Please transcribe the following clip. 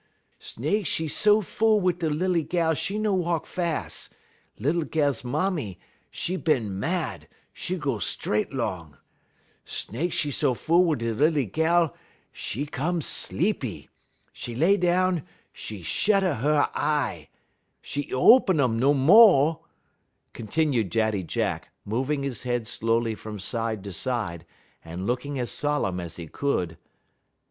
Snake 'e so full wit de lilly gal 'e no walk fas'; lil gal mammy, 'e bin mad, 'e go stret 'long. Snake 'e so full wit' da lilly gal, 'e come sleepy. 'E lay down, 'e shed a 'e y eye. 'E y open um no mo'," continued Daddy Jack, moving his head slowly from side to side, and looking as solemn as he could.